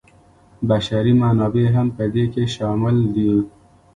بشري منابع هم په دې کې شامل دي.